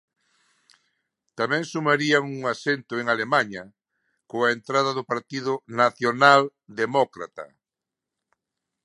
Tamén sumarían un asento en Alemaña coa entrada do Partido Nacionaldemócrata.